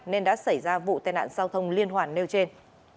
nên đã xảy ra vụ tên ạn giao thông liên hoàn nêu trên